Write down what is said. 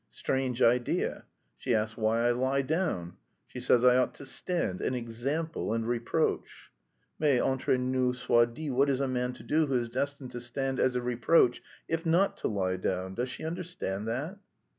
Strange idea!... She asks why I lie down? She says I ought to stand, 'an example and reproach.' Mais, entre nous soit dit, what is a man to do who is destined to stand as a 'reproach,' if not to lie down? Does she understand that?"